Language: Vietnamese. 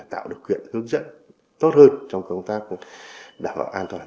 tạo được kiện hướng dẫn tốt hơn trong công tác đảm bảo an toàn